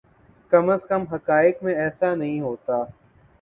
کم از کم حقائق میں ایسا نہیں ہوتا۔